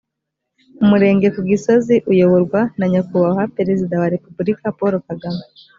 umurenge ku gisozi uyoborwa na nyakubahwa perezida wa repubulika paul kagame